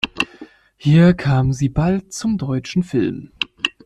Hier kam sie bald zum deutschen Film.